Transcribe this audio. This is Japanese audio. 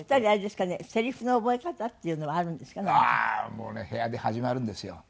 もうね部屋で始まるんですよ。